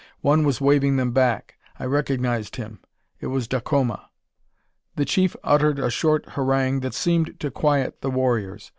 One was waving them back. I recognised him. It was Dacoma! The chief uttered a short harangue that seemed to quiet the warriors.